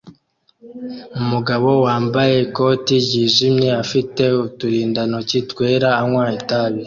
Umugabo wambaye ikoti ryijimye afite uturindantoki twera anywa itabi